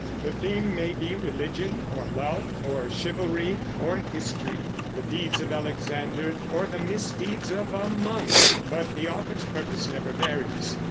The theme may be religion or love or chivalry or history, the deeds of Alexander or the misdeeds of a monk; but the author's purpose never varies.